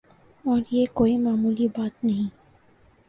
اور یہ کوئی معمولی بات نہیں۔